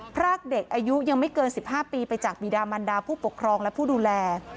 พรากเด็กอายุยังไม่เกิน๑๕ปีไปจากบีดามันดาผู้ปกครองและผู้ดูแล